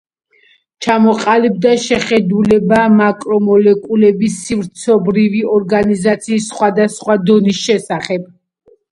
ჩამოყალიბდა შეხედულება მაკრომოლეკულების სივრცობრივი ორგანიზაციის სხვადასხვა დონის შესახებ.